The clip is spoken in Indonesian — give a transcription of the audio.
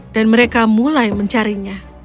dan mereka mulai mencarinya